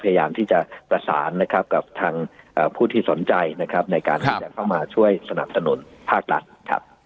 พยายามที่จะประสานนะครับกับทางผู้ที่สนใจนะครับในการที่จะเข้ามาช่วยสนับสนุนภาครัฐครับ